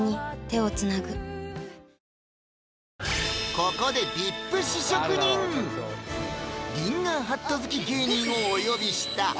ここでリンガーハット好き芸人をお呼びした！